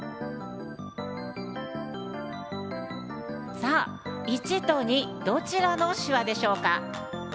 さあ１と２どちらの手話でしょうか？